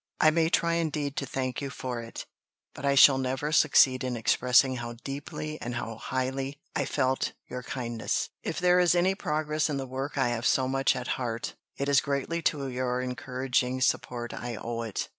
I may try indeed to thank you for it, but I shall never succeed in expressing how deeply and how highly I felt your kindness. If there is any progress in the work I have so much at heart, it is greatly to your encouraging support I owe it."